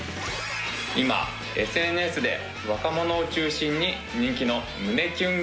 今ＳＮＳで若者を中心に人気の胸キュン